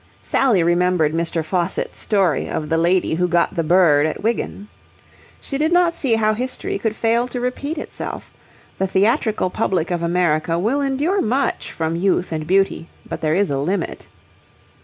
Sally remembered Mr. Faucitt's story of the lady who got the bird at Wigan. She did not see how history could fail to repeat itself. The theatrical public of America will endure much from youth and beauty, but there is a limit.